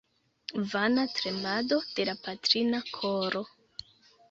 Vana tremado de la patrina koro!